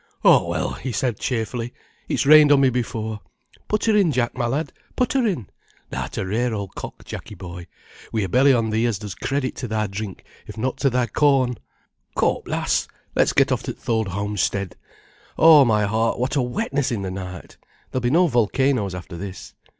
"Oh, well," he said cheerfully, "it's rained on me before. Put 'er in, Jack, my lad, put her in—Tha'rt a rare old cock, Jacky boy, wi' a belly on thee as does credit to thy drink, if not to thy corn. Co' up lass, let's get off ter th' old homestead. Oh, my heart, what a wetness in the night! There'll be no volcanoes after this.